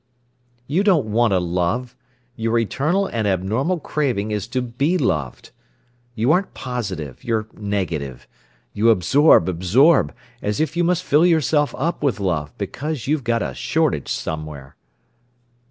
"You don't want to love—your eternal and abnormal craving is to be loved. You aren't positive, you're negative. You absorb, absorb, as if you must fill yourself up with love, because you've got a shortage somewhere."